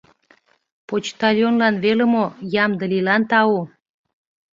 Почтальонлан веле мо «Ямде лийлан» тау.